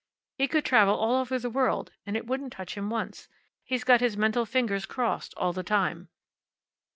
He could travel all over the world and it wouldn't touch him once. He's got his mental fingers crossed all the time."